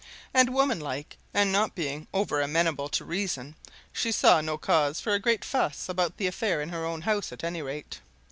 And, womanlike, and not being over amenable to reason, she saw no cause for a great fuss about the affair in her own house, at any rate.